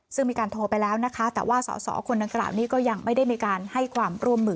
ซึ่งมีการโทรไปแล้วนะคะ